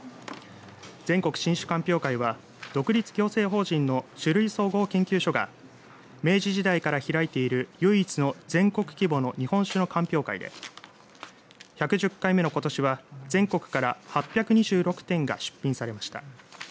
全国新酒鑑評会は独立行政法人の酒類総合研究所が明治時代から開いている唯一の全国規模の日本酒の鑑評会で１１０回目のことしは全国から８２６点が出品されました。